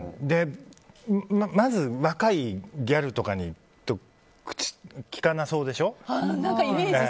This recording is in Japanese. まず若いギャルとかと口を利かなそうでしょ。